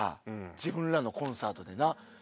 自分らのコンサートでな。